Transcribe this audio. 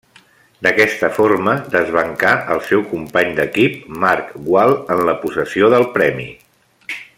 D'aquesta forma, desbancà el seu company d'equip Marc Gual en la possessió del premi.